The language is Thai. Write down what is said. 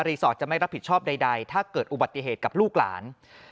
สอร์ทจะไม่รับผิดชอบใดถ้าเกิดอุบัติเหตุกับลูกหลาน